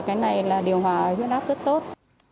cái này là điều hòa huyết áp rất tốt